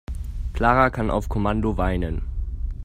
Clara kann auf Kommando weinen.